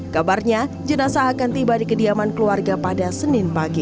kabarnya jenazah akan tiba di kediaman keluarga pada senin pagi